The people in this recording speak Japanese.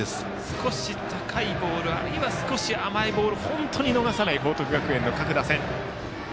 少し高いボールあるいは少し甘いボールを本当に見逃さない報徳学園打線。